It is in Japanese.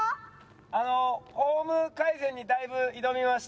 あのフォーム改善にだいぶ挑みまして。